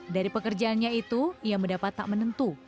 dari pekerjaannya itu ia mendapat tak menentu